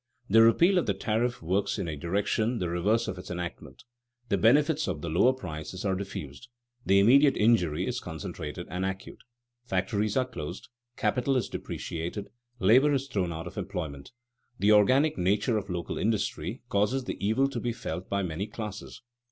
_ The repeal of the tariff works in a direction the reverse of its enactment. The benefits of the lower prices are diffused; the immediate injury is concentrated and acute. Factories are closed, capital is depreciated, labor is thrown out of employment. The organic nature of local industry causes the evil to be felt by many classes.